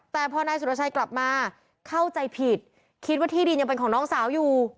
แต่พอนายสุรชัยกลับมาเข้าใจผิดคิดว่าที่ดินยังเป็นของน้องสาวอยู่